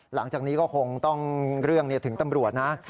หลังจากนี้ก็คงต้องเรื่องถึงตำรวจนะ